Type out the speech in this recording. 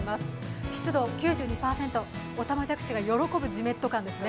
湿度９２％、おたまじゃくしが喜ぶじめっと感ですね。